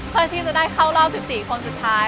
เพื่อที่จะได้เข้ารอบ๑๔คนสุดท้าย